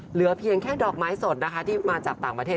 เหลือเพียงแค่ดอกไม้สดนะคะที่มาจากต่างประเทศ